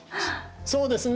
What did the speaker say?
そうですね。